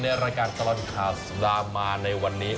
ในรายการตลอดคาวสุดามาในวันนี้